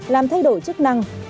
làm thay đổi chức năng